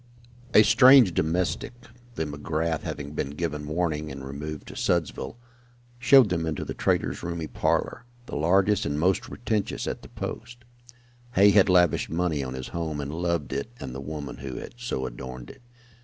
A strange domestic (the McGrath having been given warning and removed to Sudsville) showed them into the trader's roomy parlor, the largest and most pretentious at the post. Hay had lavished money on his home and loved it and the woman who had so adorned it.